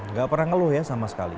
nggak pernah ngeluh ya sama sekali